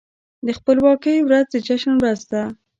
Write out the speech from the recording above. د خپلواکۍ ورځ د جشن ورځ ده.